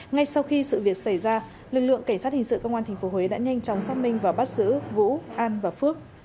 ngay sau khi sự việc xảy ra lực lượng cảnh sát hình sự công an tp huế đã nhanh chóng xác minh và bắt giữ vũ an và phước